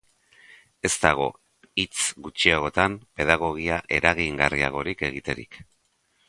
Ez dago hitz gutxiagotan pedagogia eragingarriagorik egiterik.